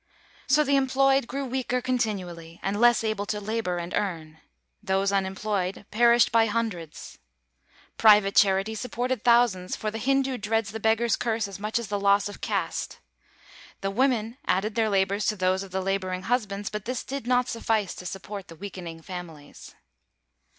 So the employed grew weaker continually and less able to labor and earn; those unemployed perished by hundreds. Private charity supported thousands; for the Hindoo dreads the beggars' curse as much as the loss of caste. The women added their labors to those of the laboring husbands, but this did not suffice to support the weakening families.